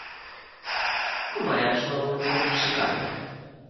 Como é a súa evolución musical?